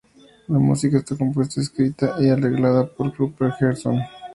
La música está compuesta, escrita y arreglada por Rupert Gregson-Williams.